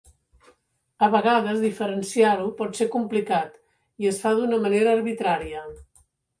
A vegades diferenciar-ho pot ser complicat i es fa d'una manera arbitrària.